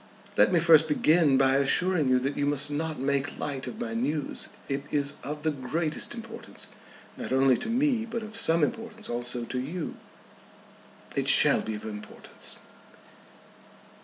"Let me first begin by assuring you, that you must not make light of my news. It is of the greatest importance, not only to me, but of some importance also to you." "It shall be of importance."